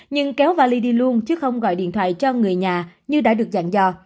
nhưng kéo vali đi luôn chứ không gọi điện thoại cho người nhà như đã được dạng do